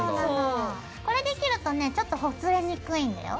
これで切るとねちょっとほつれにくいんだよ。